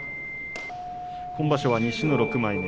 今場所は西の６枚目。